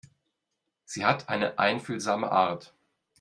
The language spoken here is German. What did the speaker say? Sie hat eine einfühlsame Art.